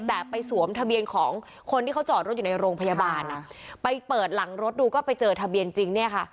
แต่ไปสวมทะเบียนของคนที่เขาจอดรถอยู่ในโรงพยาบาลอ่ะไปเปิดหลังรถดูก็ไปเจอทะเบียนจริงเนี่ยค่ะ